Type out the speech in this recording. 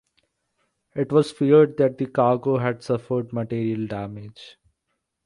It was feared that the cargo had suffered material damage.